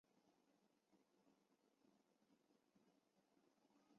剧集内容以灌输青少年正确的性观念和两性关系为主。